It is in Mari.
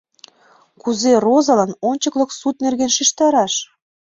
Кузе Розалан ончыклык суд нерген шижтараш?